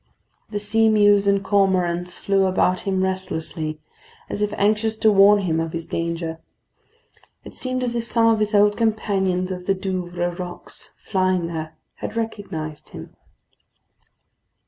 The seamews and cormorants flew about him restlessly, as if anxious to warn him of his danger. It seemed as if some of his old companions of the Douvres rocks flying there had recognised him.